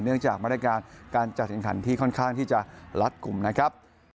เนื่องจากมาตรการการจัดการที่ค่อนข้างที่จะลัดกลุ่มนะครับ